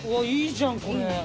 いいじゃんこれ。